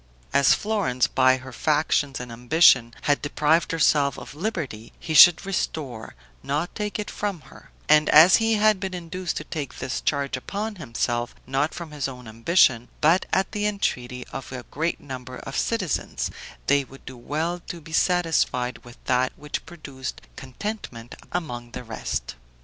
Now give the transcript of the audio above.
As Florence, by her factions and ambition, had deprived herself of liberty, he should restore, not take it from her; and as he had been induced to take this charge upon himself, not from his own ambition, but at the entreaty of a great number of citizens, they would do well to be satisfied with that which produced contentment among the rest.